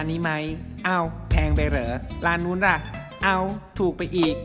เดินเลือกร้านนั้นขว้าไป